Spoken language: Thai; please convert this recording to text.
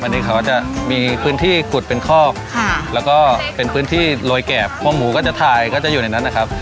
อันนี้เขาจะมีพื้นที่ขุดเป็นคอกแล้วก็เป็นพื้นที่โรยแกบพวกหมูก็จะทายก็จะอยู่ในนั้นนะครับ